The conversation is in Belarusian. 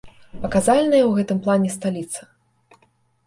Паказальная ў гэтым плане сталіца.